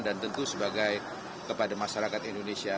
dan tentu sebagai kepada masyarakat indonesia